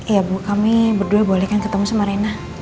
iya bu kami berdua boleh kan ketemu sama rina